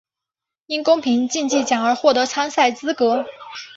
因公平竞技奖而获得参赛资格。